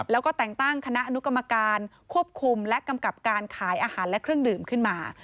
แล้วก็แต่งตั้งคณะอนุกรรมการควบคุมและกำกับการขายอาหารและเครื่องดื่มขึ้นมา